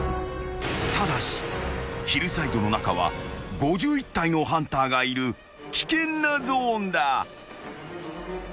［ただしヒルサイドの中は５１体のハンターがいる危険なゾーンだ］